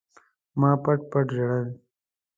ما پټ پټ ژړل.